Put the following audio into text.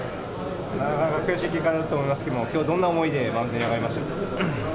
なかなか悔しい結果だと思いますけど、きょう、どんな思いでマウンドに上がりましたか？